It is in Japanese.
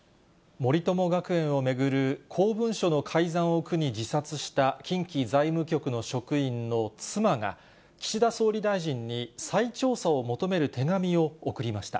森友学園を巡る、公文書の改ざんを苦に自殺した近畿財務局の職員の妻が、岸田総理大臣に再調査を求める手紙を送りました。